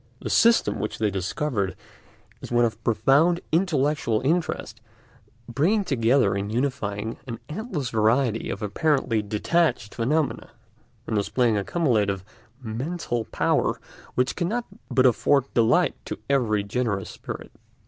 The system which they discovered is one of profound intellectual interest, bringing together and unifying an endless variety of apparently detached phenomena, and displaying a cumulative mental power which cannot but afford delight to every generous spirit.